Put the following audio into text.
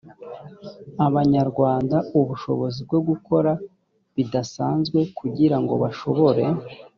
abanyarwanda ubushobozi bwo gukora bidasanzwe kugira ngo bashobore